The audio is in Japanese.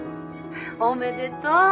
おめでとう。